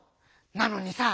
なのにさ